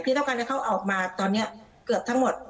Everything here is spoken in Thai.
ต้องการให้เขาออกมาตอนนี้เกือบทั้งหมด